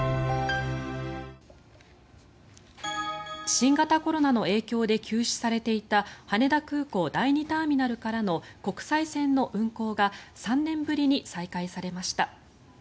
新型コロナの影響で休止されていた羽田空港第２ターミナルからの国際線の運航が３年ぶりに再開されました。